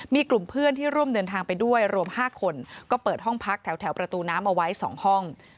มีกลุ่มเพื่อนที่ร่วมเดินทางไปด้วยรวม๕คนก็เปิดห้องพักแถวประตูน้ำเอาไว้๒ห้อง